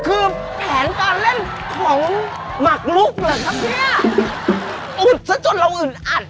อุ๊ดซะจนเราอื่นอัด